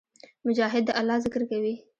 مجاهد د الله ذکر کوي.